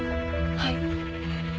はい。